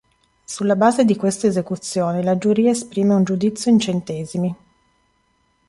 Sulla base di queste esecuzioni la giuria esprime un giudizio in centesimi.